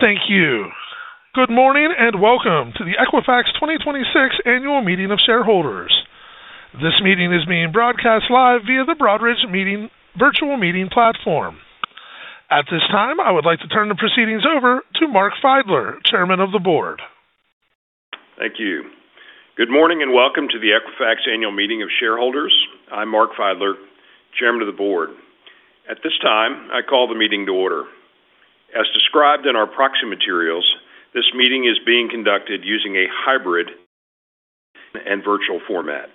Thank you. Good morning, and welcome to the Equifax 2026 Annual Meeting of Shareholders. This meeting is being broadcast live via the Broadridge Virtual Meeting Platform. At this time, I would like to turn the proceedings over to Mark Feidler, Chairman of the Board. Thank you. Good morning, and welcome to the Equifax Annual Meeting of Shareholders. I'm Mark Feidler, Chairman of the Board. At this time, I call the meeting to order. As described in our proxy materials, this meeting is being conducted using a hybrid and virtual format.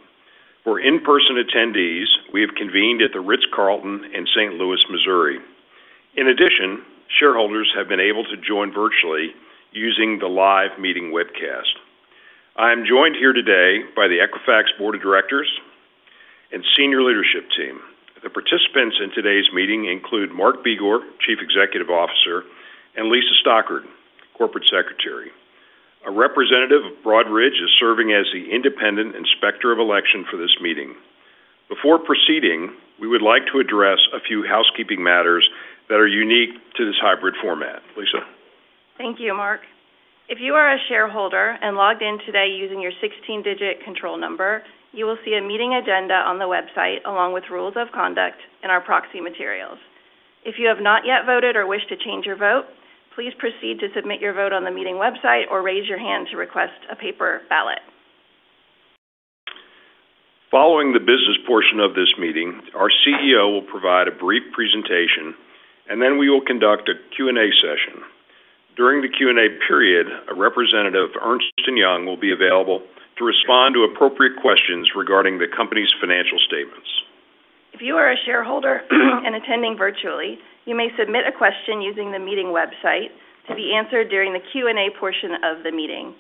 For in-person attendees, we have convened at the Ritz-Carlton in St. Louis, Missouri. In addition, shareholders have been able to join virtually using the live meeting webcast. I am joined here today by the Equifax Board of Directors and senior leadership team. The participants in today's meeting include Mark Begor, Chief Executive Officer, and Lisa Stockard, Corporate Secretary. A representative of Broadridge is serving as the independent inspector of election for this meeting. Before proceeding, we would like to address a few housekeeping matters that are unique to this hybrid format. Lisa. Thank you, Mark. If you are a shareholder and logged in today using your 16-digit control number, you will see a meeting agenda on the website, along with rules of conduct and our proxy materials. If you have not yet voted or wish to change your vote, please proceed to submit your vote on the meeting website or raise your hand to request a paper ballot. Following the business portion of this meeting, our CEO will provide a brief presentation, and then we will conduct a Q&A session. During the Q&A period, a representative of Ernst & Young will be available to respond to appropriate questions regarding the company's financial statements. If you are a shareholder and attending virtually, you may submit a question using the meeting website to be answered during the Q&A portion of the meeting.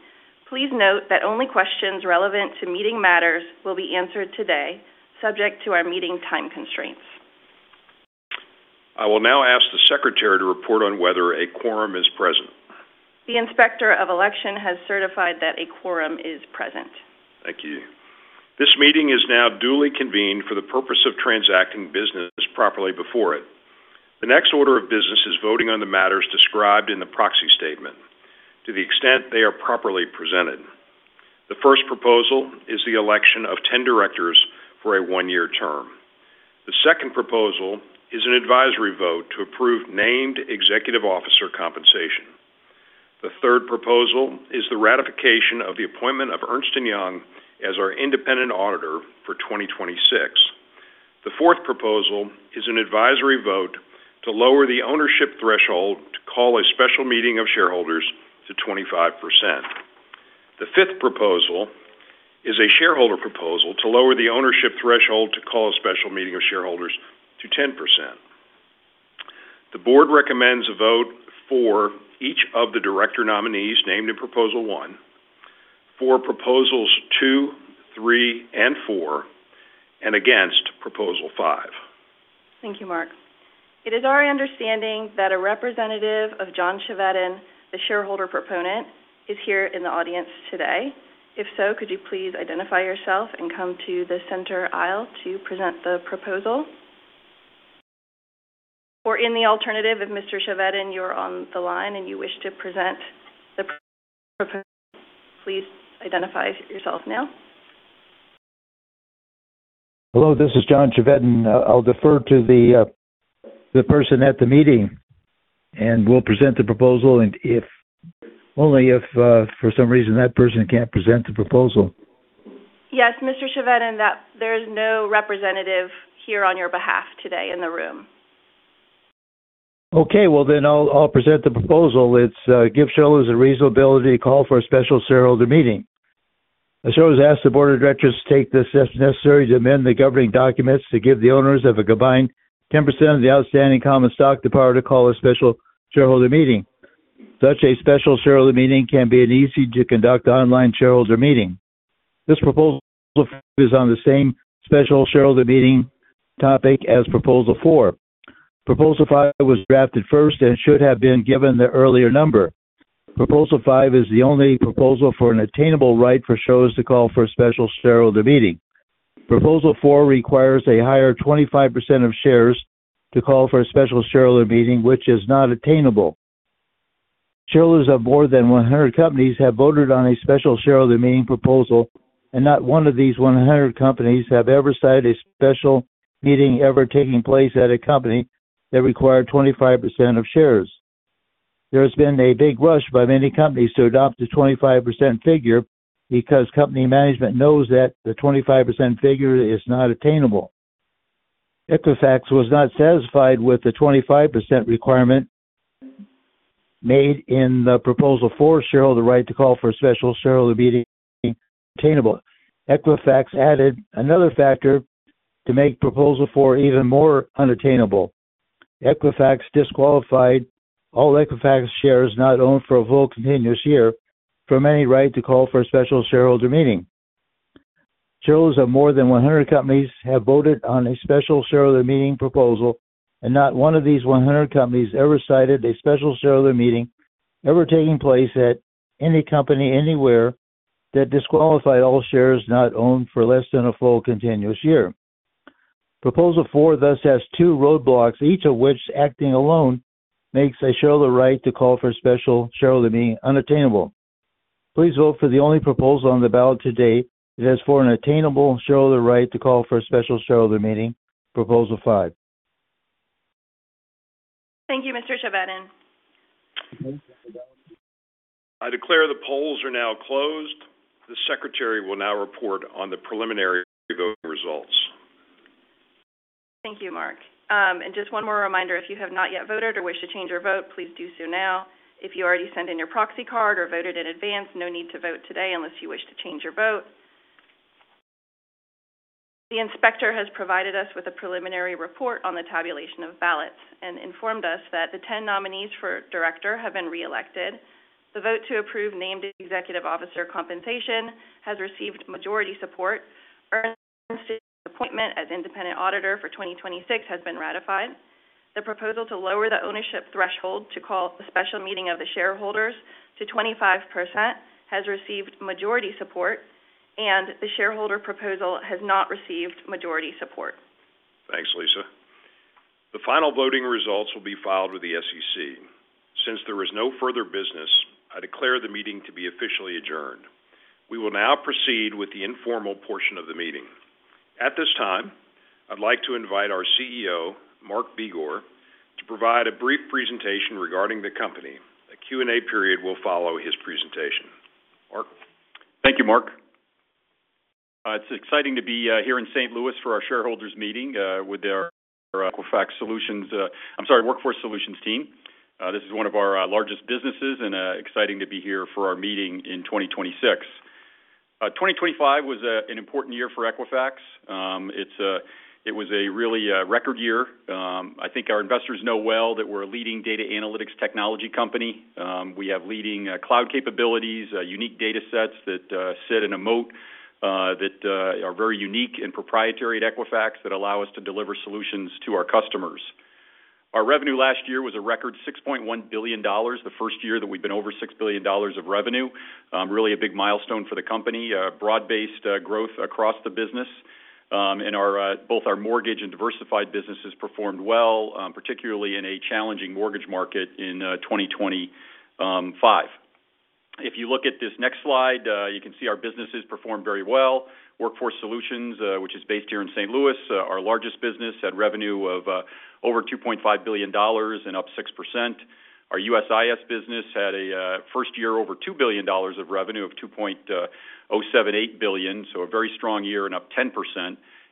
Please note that only questions relevant to meeting matters will be answered today, subject to our meeting time constraints. I will now ask the secretary to report on whether a quorum is present. The Inspector of Election has certified that a quorum is present. Thank you. This meeting is now duly convened for the purpose of transacting business properly before it. The next order of business is voting on the matters described in the proxy statement to the extent they are properly presented. The first proposal is the election of 10 directors for a one-year term. The second proposal is an advisory vote to approve named executive officer compensation. The third proposal is the ratification of the appointment of Ernst & Young as our independent auditor for 2026. The fourth proposal is an advisory vote to lower the ownership threshold to call a special meeting of shareholders to 25%. The fifth proposal is a shareholder proposal to lower the ownership threshold to call a special meeting of shareholders to 10%. The board recommends a vote for each of the director nominees named in proposal one, for proposals two, three, and four, and against proposal five. Thank you, Mark. It is our understanding that a representative of John Chevedden, the shareholder proponent, is here in the audience today. If so, could you please identify yourself and come to the center aisle to present the proposal? In the alternative, if Mr. Chevedden, you're on the line and you wish to present the proposal, please identify yourself now. Hello, this is John Chevedden. I'll defer to the person at the meeting, and we'll present the proposal only if for some reason that person can't present the proposal. Yes, Mr. Chevedden, there's no representative here on your behalf today in the room. Okay, well, I'll present the proposal. It's give shareholders a reasonability to call for a special shareholder meeting. The shareholders ask the board of directors to take the steps necessary to amend the governing documents to give the owners of a combined 10% of the outstanding common stock the power to call a special shareholder meeting. Such a special shareholder meeting can be an easy-to-conduct online shareholder meeting. This proposal is on the same special shareholder meeting topic as proposal four. Proposal five was drafted first and should have been given the earlier number. Proposal five is the only proposal for an attainable right for shareholders to call for a special shareholder meeting. Proposal four requires a higher 25% of shares to call for a special shareholder meeting, which is not attainable. Shareholders of more than 100 companies have voted on a special shareholder meeting proposal. Not one of these 100 companies have ever cited a special meeting ever taking place at a company that required 25% of shares. There has been a big rush by many companies to adopt the 25% figure because company management knows that the 25% figure is not attainable. Equifax was not satisfied with the 25% requirement made in the proposal for shareholder right to call for a special shareholder meeting attainable. Equifax added another factor to make proposal four even more unattainable. Equifax disqualified all Equifax shares not owned for a full continuous year from any right to call for a special shareholder meeting. Shareholders of more than 100 companies have voted on a special shareholder meeting proposal. Not one of these 100 companies ever cited a special shareholder meeting ever taking place at any company anywhere that disqualified all shares not owned for less than a full continuous year. Proposal four thus has two roadblocks, each of which acting alone makes a shareholder right to call for a special shareholder meeting unattainable. Please vote for the only proposal on the ballot today that is for an attainable shareholder right to call for a special shareholder meeting, proposal five. Thank you, Mr. Chevedden. I declare the polls are now closed. The Secretary will now report on the preliminary voting results. Thank you, Mark. Just one more reminder, if you have not yet voted or wish to change your vote, please do so now. If you already sent in your proxy card or voted in advance, no need to vote today unless you wish to change your vote. The inspector has provided us with a preliminary report on the tabulation of ballots and informed us that the 10 nominees for director have been reelected. The vote to approve named executive officer compensation has received majority support. Ernst's appointment as independent auditor for 2026 has been ratified. The proposal to lower the ownership threshold to call a special meeting of the shareholders to 25% has received majority support, and the shareholder proposal has not received majority support. Thanks, Lisa. The final voting results will be filed with the SEC. Since there is no further business, I declare the meeting to be officially adjourned. We will now proceed with the informal portion of the meeting. At this time, I'd like to invite our CEO, Mark Begor, to provide a brief presentation regarding the company. A Q&A period will follow his presentation. Mark. Thank you, Mark. It's exciting to be here in St. Louis for our shareholders meeting with our Equifax Solutions, I'm sorry, Workforce Solutions team. This is one of our largest businesses and exciting to be here for our meeting in 2026. 2025 was an important year for Equifax. It's it was a really record year. I think our investors know well that we're a leading data analytics technology company. We have leading cloud capabilities, unique data sets that sit in a moat that are very unique and proprietary at Equifax that allow us to deliver solutions to our customers. Our revenue last year was a record $6.1 billion, the first year that we've been over $6 billion of revenue. Really a big milestone for the company. Broad-based growth across the business. And our both our mortgage and diversified businesses performed well, particularly in a challenging mortgage market in 2025. If you look at this next slide, you can see our businesses performed very well. Workforce Solutions, which is based here in St. Louis, our largest business, had revenue of over $2.5 billion and up 6%. Our USIS business had a first year over $2 billion of revenue of $2.078 billion. A very strong year and up 10%.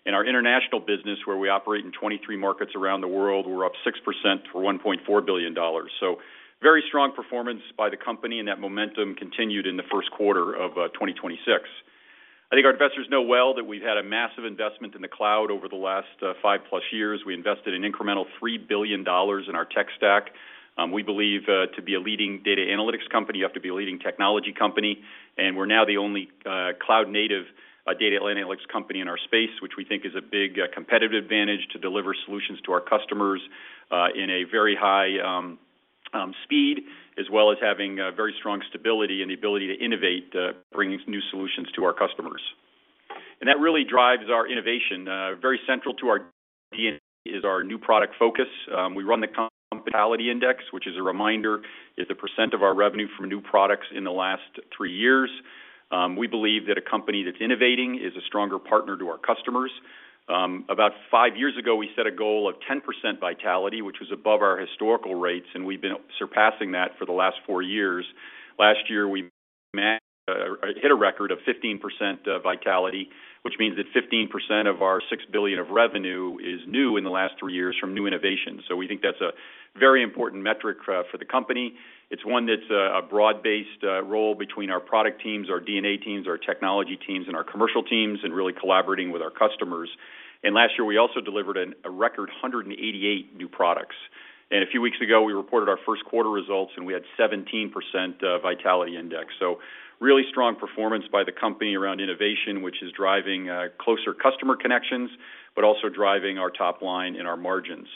In our international business, where we operate in 23 markets around the world, we're up 6% for $1.4 billion. Very strong performance by the company, and that momentum continued in the first quarter of 2026. I think our investors know well that we've had a massive investment in the cloud over the last five plus years. We invested an incremental $3 billion in our tech stack. We believe to be a leading data analytics company, you have to be a leading technology company. We're now the only cloud-native data analytics company in our space, which we think is a big competitive advantage to deliver solutions to our customers in a very high speed, as well as having very strong stability and the ability to innovate, bringing new solutions to our customers. That really drives our innovation. Very central to our DNA is our new product focus. We run the Vitality Index, which as a reminder, is the percent of our revenue from new products in the last three years. We believe that a company that's innovating is a stronger partner to our customers. About five years ago, we set a goal of 10% vitality, which was above our historical rates. We've been surpassing that for the last four years. Last year, we hit a record of 15% vitality, which means that 15% of our $6 billion of revenue is new in the last three years from new innovations. We think that's a very important metric for the company. It's one that's a broad-based role between our product teams, our D&A teams, our technology teams, and our commercial teams, really collaborating with our customers. Last year, we also delivered a record 188 new products. A few weeks ago, we reported our first quarter results, and we had 17% Vitality Index. Really strong performance by the company around innovation, which is driving closer customer connections, but also driving our top line and our margins.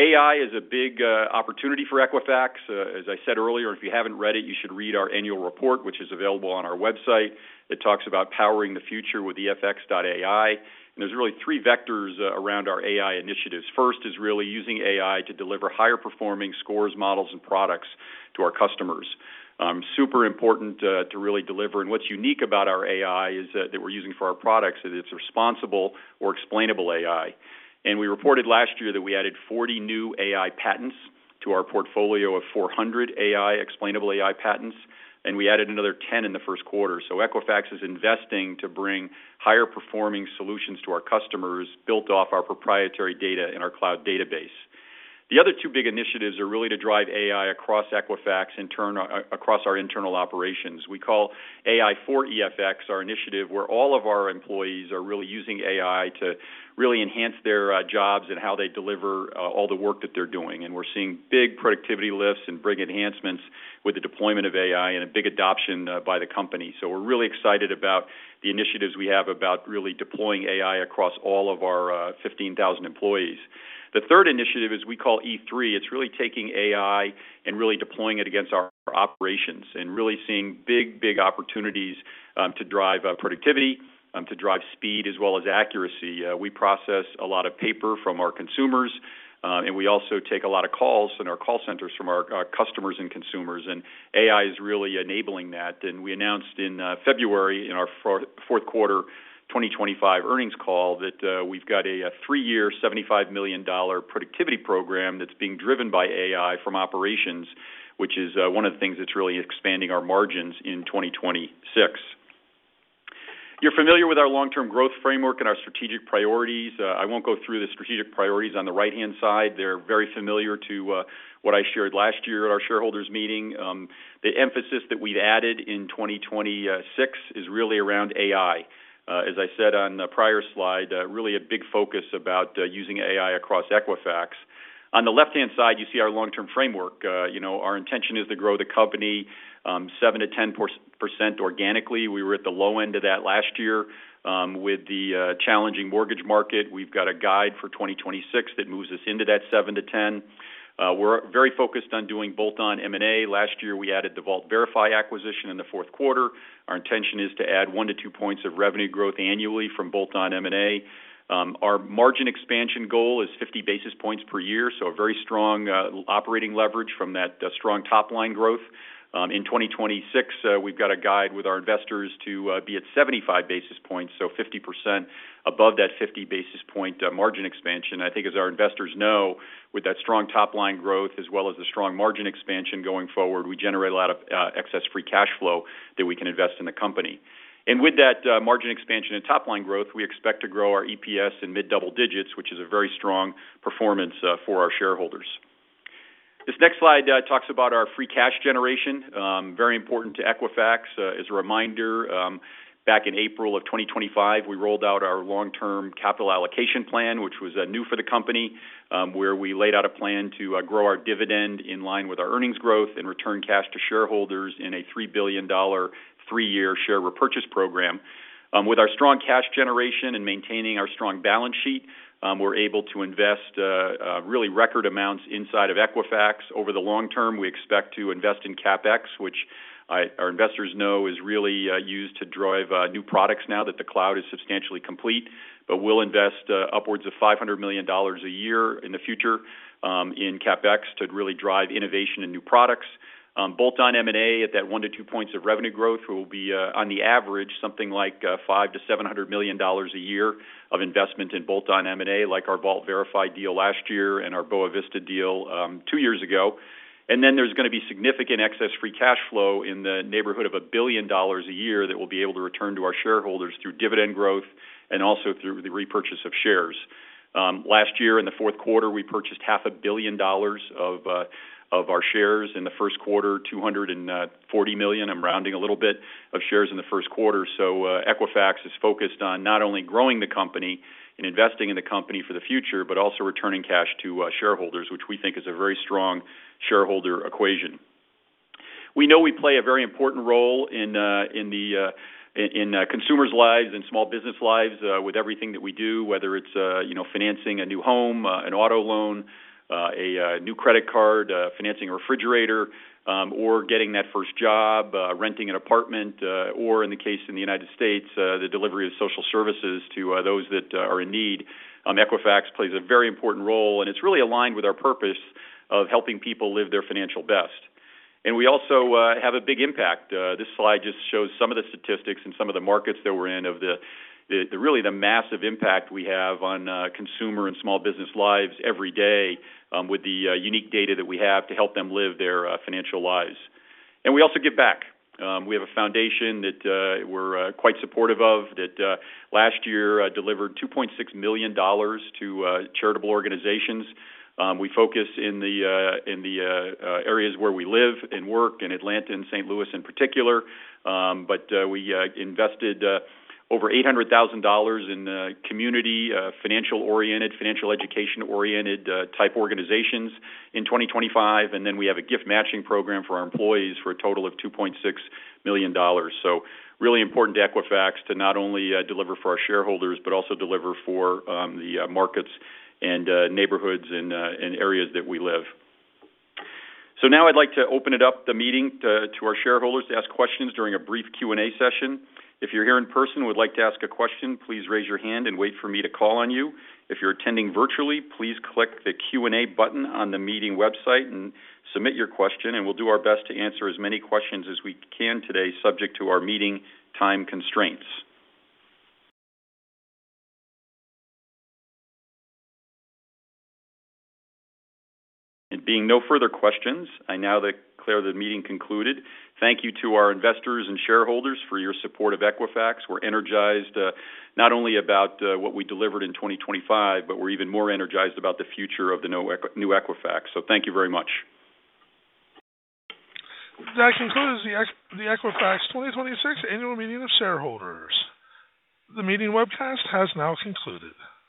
AI is a big opportunity for Equifax. As I said earlier, if you haven't read it, you should read our annual report, which is available on our website. It talks about powering the future with EFX.AI. There's really three vectors around our AI initiatives. First is really using AI to deliver higher performing scores, models, and products to our customers. Super important to really deliver. What's unique about our AI is that we're using for our products is it's responsible or explainable AI. We reported last year that we added 40 new AI patents to our portfolio of 400 AI, explainable AI patents, and we added another 10 in the first quarter. Equifax is investing to bring higher performing solutions to our customers built off our proprietary data in our Equifax Cloud database. The other two big initiatives are really to drive AI across Equifax across our internal operations. We call AI 4 EFX our initiative, where all of our employees are really using AI to really enhance their jobs and how they deliver all the work that they're doing. We're seeing big productivity lifts and big enhancements with the deployment of AI and a big adoption by the company. We're really excited about the initiatives we have about really deploying AI across all of our 15,000 employees. The third initiative is we call E3. It's really taking AI and really deploying it against our operations and really seeing big opportunities to drive productivity, to drive speed as well as accuracy. We process a lot of paper from our consumers, and we also take a lot of calls in our call centers from our customers and consumers, and AI is really enabling that. We announced in February in our fourth quarter 2025 earnings call that we've got a three-year $75 million productivity program that's being driven by AI from operations, which is one of the things that's really expanding our margins in 2026. You're familiar with our long-term growth framework and our strategic priorities. I won't go through the strategic priorities on the right-hand side. They're very familiar to what I shared last year at our shareholders' meeting. The emphasis that we've added in 2026 is really around AI. As I said on the prior slide, really a big focus about using AI across Equifax. On the left-hand side, you see our long-term framework. You know, our intention is to grow the company 7%-10% organically. We were at the low end of that last year with the challenging mortgage market. We've got a guide for 2026 that moves us into that 7%-10%. We're very focused on doing bolt-on M&A. Last year, we added the Vault Verify acquisition in the fourth quarter. Our intention is to add one to two points of revenue growth annually from bolt-on M&A. Our margin expansion goal is 50 basis points per year, so a very strong operating leverage from that strong top-line growth. In 2026, we've got a guide with our investors to be at 75 basis points, so 50% above that 50 basis point margin expansion. I think as our investors know, with that strong top-line growth as well as the strong margin expansion going forward, we generate a lot of excess free cash flow that we can invest in the company. With that margin expansion and top-line growth, we expect to grow our EPS in mid-double digits, which is a very strong performance for our shareholders. This next slide talks about our free cash generation, very important to Equifax. As a reminder, back in April of 2025, we rolled out our long-term capital allocation plan, which was new for the company, where we laid out a plan to grow our dividend in line with our earnings growth and return cash to shareholders in a $3 billion three year share repurchase program. With our strong cash generation and maintaining our strong balance sheet, we're able to invest really record amounts inside of Equifax. Over the long term, we expect to invest in CapEx, which our investors know is really used to drive new products now that the cloud is substantially complete. We'll invest upwards of $500 million a year in the future in CapEx to really drive innovation and new products. Bolt-on M&A at that one to two points of revenue growth will be on the average, something like $500 million-$700 million a year of investment in bolt-on M&A, like our Vault Verify deal last year and our Boa Vista deal two years ago. There's gonna be significant excess free cash flow in the neighborhood of $1 billion a year that we'll be able to return to our shareholders through dividend growth and also through the repurchase of shares. Last year in the fourth quarter, we purchased $500 million of our shares. In the first quarter, 240 million, I'm rounding a little bit, of shares in the first quarter. Equifax is focused on not only growing the company and investing in the company for the future, but also returning cash to shareholders, which we think is a very strong shareholder equation. We know we play a very important role in consumers' lives and small business lives, with everything that we do, whether it's, you know, financing a new home, an auto loan, a new credit card, financing a refrigerator, or getting that first job, renting an apartment, or in the case in the U.S., the delivery of social services to those that are in need. Equifax plays a very important role, it's really aligned with our purpose of helping people live their financial best. We also have a big impact. This slide just shows some of the statistics and some of the markets that we're in of the, really the massive impact we have on consumer and small business lives every day, with the unique data that we have to help them live their financial lives. We also give back. We have a foundation that we're quite supportive of that last year delivered $2.6 million to charitable organizations. We focus in the in the areas where we live and work in Atlanta and St. Louis in particular. We invested over $800,000 in community financial-oriented, financial education-oriented type organizations in 2025. We have a gift matching program for our employees for a total of $2.6 million. Really important to Equifax to not only deliver for our shareholders, but also deliver for the markets and neighborhoods and areas that we live. Now I'd like to open it up, the meeting, to our shareholders to ask questions during a brief Q&A session. If you're here in person and would like to ask a question, please raise your hand and wait for me to call on you. If you're attending virtually, please click the Q&A button on the meeting website and submit your question, and we'll do our best to answer as many questions as we can today, subject to our meeting time constraints. Being no further questions, I now declare the meeting concluded. Thank you to our investors and shareholders for your support of Equifax. We're energized, not only about what we delivered in 2025, but we're even more energized about the future of the new Equifax. Thank you very much. That concludes the Equifax 2026 annual meeting of shareholders. The meeting webcast has now concluded.